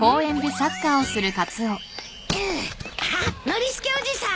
ノリスケおじさん。